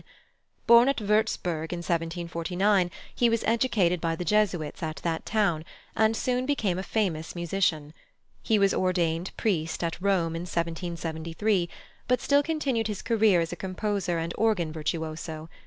Born at Würzburg in 1749, he was educated by the Jesuits at that town, and soon became a famous musician. He was ordained priest at Rome in 1773, but still continued his career as a composer and organ virtuoso.